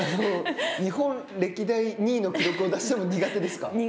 日本歴代２位の記録を出しても苦手ですか。